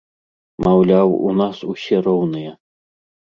Маўляў, у нас усе роўныя.